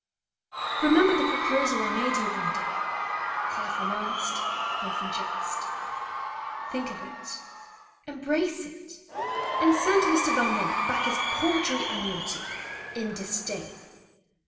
Remember the proposal I made you one day, half in earnest half in jest. Think of it. Embrace it. And send Mr. Valmont back his paltry annuity in disdain.